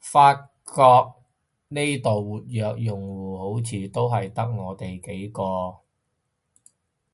發覺呢度活躍用戶好似都係得我哋幾個